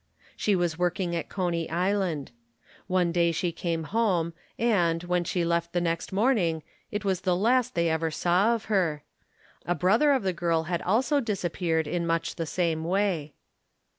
She was working at Coney Island. One day she came home and, when she left the next morning, it was the last they ever saw of her. A brother of the girl had also disap peared in much the same way.